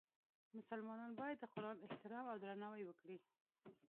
مسلمان باید د قرآن احترام او درناوی وکړي.